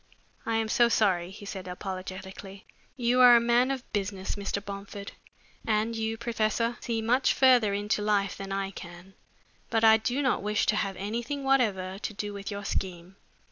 "I am so sorry," he said apologetically. "You are a man of business, Mr. Bomford, and you, professor, see much further into life than I can, but I do not wish to have anything whatever to do with your scheme.